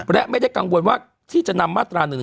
และไม่ได้กังวลว่าที่จะนำมาตรา๑๑